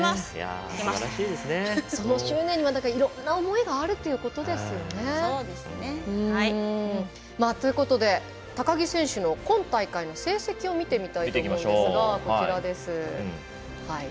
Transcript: その執念にもいろんな思いがあるということですよね。ということで高木選手の今大会の成績を見てみたいと思いますがこちらです。